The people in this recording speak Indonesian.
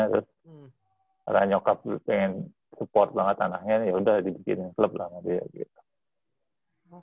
terus karena nyokap pengen support banget anaknya yaudah dibikin klub lah sama dia gitu